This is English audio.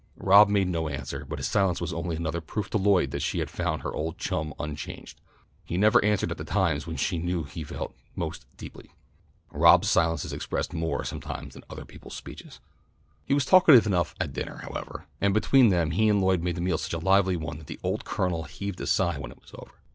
Rob made no answer, but his silence was only another proof to Lloyd that she had found her old chum unchanged. He never answered at the times when she knew he felt most deeply. Rob's silences expressed more sometimes than other people's speeches. He was talkative enough at dinner, however, and between them he and Lloyd made the meal such a lively one that the old Colonel heaved a sigh when it was over.